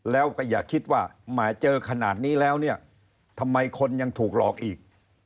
แล้วก็อย่าคิดว่าแหมเจอขนาดนี้แล้วเนี่ยทำไมคนยังถูกหลอกอีก